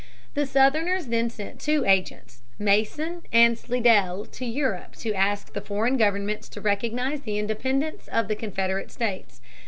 The Southerners then sent two agents, Mason and Slidell, to Europe to ask the foreign governments to recognize the independence of the Confederate states.